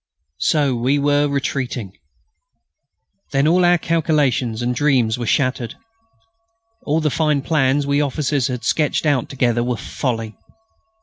So we were retreating. Then all our calculations and dreams were shattered. All the fine plans we officers had sketched out together were folly.